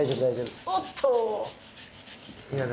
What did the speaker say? おっと。